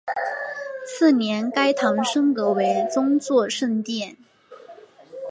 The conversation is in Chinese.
次年该堂升格为宗座圣殿。